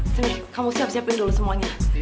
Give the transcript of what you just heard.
saya kamu siap siapin dulu semuanya